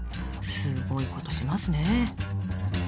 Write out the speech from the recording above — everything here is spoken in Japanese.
すごいことしますね。